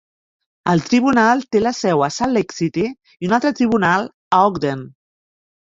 El tribunal té la seu a Salt Lake City i un altre tribunal a Ogden.